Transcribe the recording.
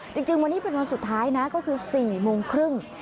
จริงวันนี้เป็นวันสุดท้ายนะก็คือ๔โมงครึ่ง